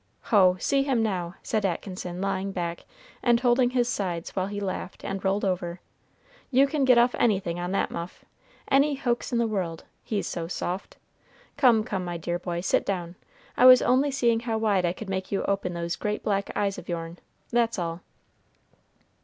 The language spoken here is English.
"Ho! see him now," said Atkinson, lying back, and holding his sides while he laughed, and rolled over; "you can get off anything on that muff, any hoax in the world, he's so soft! Come, come, my dear boy, sit down. I was only seeing how wide I could make you open those great black eyes of your'n, that's all."